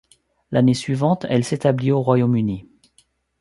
L'année suivante elle s'établit au Royaume-Uni.